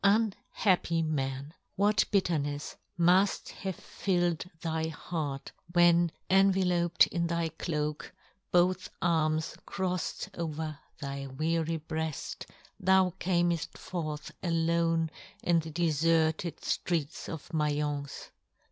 Unhappy man ! what bitternefs muft have filled thy heart, when enveloped in thy cloak, both arms yohn Gutenberg. 43 crofred~^over thy weary breaft, thou cameft forth alone in the deferted ftreets of Maience